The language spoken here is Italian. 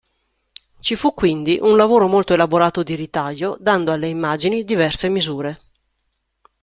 Ci fu quindi un lavoro molto elaborato di ritaglio dando alle immagini diverse misure.